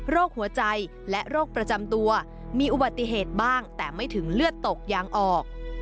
หัวใจและโรคประจำตัวมีอุบัติเหตุบ้างแต่ไม่ถึงเลือดตกยางออก